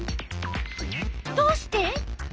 どうして？